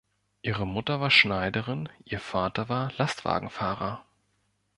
Ihre Mutter war Schneiderin, ihr Vater war Lastwagenfahrer.